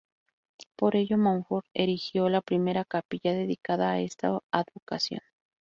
Por ello, Montfort erigió la primera capilla dedicada a esta advocación.